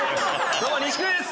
どうも錦鯉です。